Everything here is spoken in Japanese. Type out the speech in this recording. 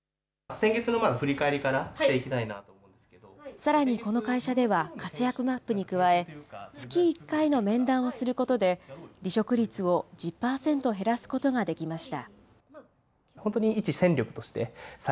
さらにこの会社では、活躍マップに加え、月１回の面談をすることで、離職率を１０％減らすことができました。